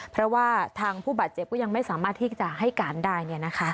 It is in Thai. เพราะว่าทางผู้บาดเจ็บก็ยังไม่สามารถที่จะให้การได้